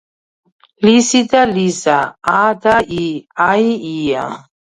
ლიზი და ლიზა ა და ი აი ია